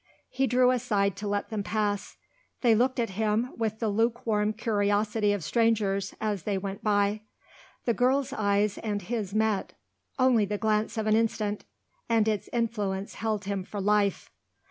He drew aside to let them pass. They looked at him with the lukewarm curiosity of strangers, as they went by. The girl's eyes and his met. Only the glance of an instant and its influence held him for life.